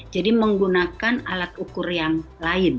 jadi menggunakan alat ukur yang lain